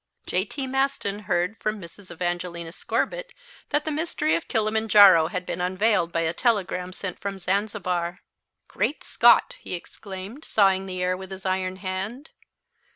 J.T. Maston heard from Mrs. Evangelina Scorbitt that the mystery of Kilimanjaro had been unveiled by a telegram sent from Zanzibar. "Great Scott!" he exclaimed, sawing the air with his iron hand.